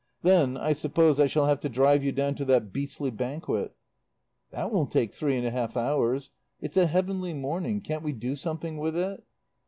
Then I suppose I shall have to drive you down to that beastly banquet." "That won't take three and a half hours. It's a heavenly morning. Can't we do something with it?"